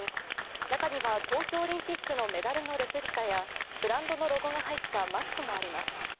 中には東京オリンピックのメダルのレプリカやブランドのロゴが入ったマスクもあります。